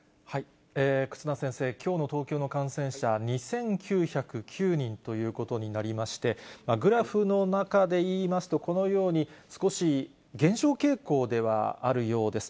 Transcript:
忽那先生、きょうの東京の感染者２９０９人ということになりまして、グラフの中でいいますと、このように、少し減少傾向ではあるようです。